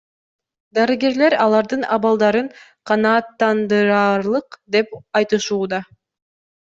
Дарыгерлер алардын абалдарын канааттандыраарлык деп айтышууда.